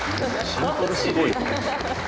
シンプルすごいわ。